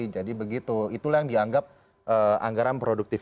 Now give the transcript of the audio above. jadi begitu itulah yang dianggap anggaran produktif